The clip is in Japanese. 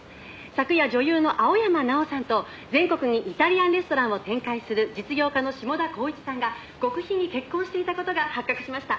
「昨夜女優の青山奈緒さんと全国にイタリアンレストランを展開する実業家の志茂田光一さんが極秘に結婚していた事が発覚しました」